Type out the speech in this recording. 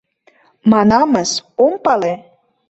— Манамыс, ом пале.